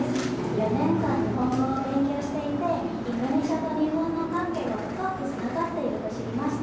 ４年間、日本語を勉強していて、インドネシアと日本の関係が、深くつながっていると知りました。